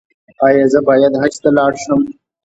ایا زه باید حج ته لاړ شم؟